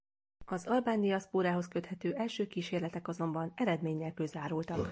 Az albán diaszpórához köthető első kísérletek azonban eredmény nélkül zárultak.